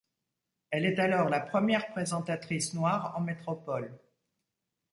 Elle est alors la première présentatrice noire en métropole.